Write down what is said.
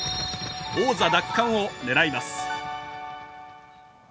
王座奪還を狙います。